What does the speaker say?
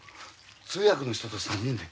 通訳の人と３人で。